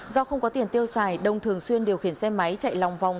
do không có tiền tiêu xài đông thường xuyên điều khiển xe máy chạy lòng vòng